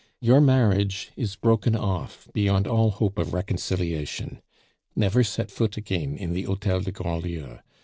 Your marriage is broken off beyond all hope of reconciliation. Never set foot again in the Hotel de Grandlieu.